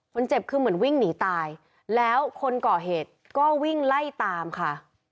คนเจ็บคือเหมือนวิ่งหนีตายแล้วคนก่อเหตุก็วิ่งไล่ตามค่ะ